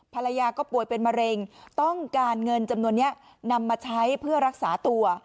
ภรรยาก็ป่วยเป็นมะเร็งต้องการเงินจำนวนนี้นำมาใช้เพื่อรักษาตัว